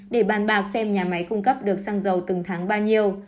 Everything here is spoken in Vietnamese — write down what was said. để bàn bạc xem nhà máy cung cấp được xăng dầu từng tháng bao nhiêu